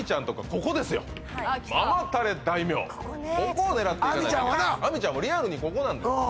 ここを狙っていかないと亜美ちゃんはリアルにここなんですよ